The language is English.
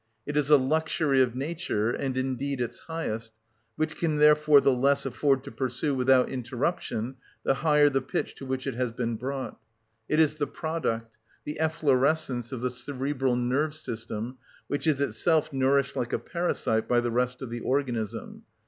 It is a luxury of nature, and indeed its highest, which it can therefore the less afford to pursue without interruption the higher the pitch to which it has been brought. It is the product, the efflorescence of the cerebral nerve system, which is itself nourished like a parasite by the rest of the organism.